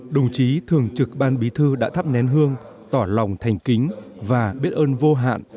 đồng chí thường trực ban bí thư đã thắp nén hương tỏ lòng thành kính và biết ơn vô hạn